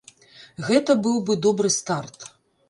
Гэта быў бы добры старт.